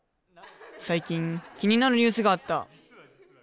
最近気になるニュースがあった。